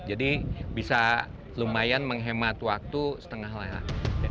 jadi bisa lumayan menghemat waktu setengah layar